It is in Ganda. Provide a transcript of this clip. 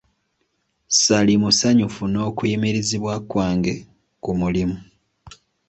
Ssaali musanyufu n'okuyimirizibwa kwange ku mulimu.